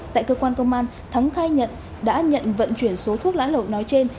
tại cơ quan công an thắng khai nhận đã nhận vận chuyển số thuốc lá lậu nói trên